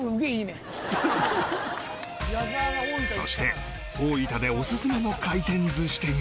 そして大分でオススメの回転寿司店が